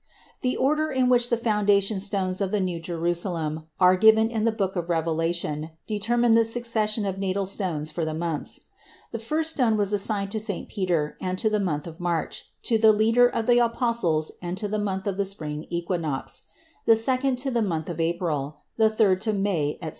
The order in which the foundation stones of the New Jerusalem are given in the book of Revelation determined the succession of natal stones for the months. The first stone was assigned to St. Peter and to the month of March, to the leader of the apostles and to the month of the spring equinox; the second to the month of April; the third to May, etc.